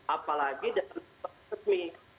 apalagi dalam bentuk resmi